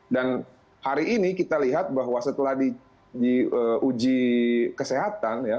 dan hari ini kita lihat bahwa setelah diuji kesehatan ya